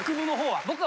僕は。